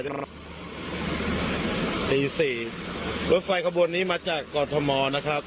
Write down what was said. นี่สิรถไฟขบวนนี้มาจากกอร์ธมอลนะครับ